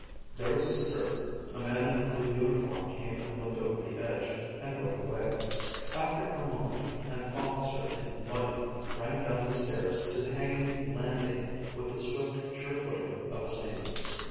There was a stir; a man in a blue uniform came and looked over the edge, and went away. After a moment, an officer in white ran down the stairs to the hanging landing with the swift, sure footing of a seaman.